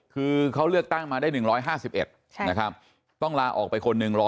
คือเขาเลือกตั้งมาได้๑๕๑